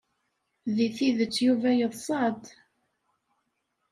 Deg tidet, Yuba yeḍsa-d.